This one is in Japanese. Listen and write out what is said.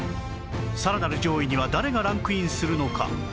さらなる上位には誰がランクインするのか？